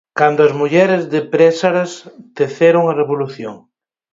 'Cando as mulleres de Présaras teceron a revolución'.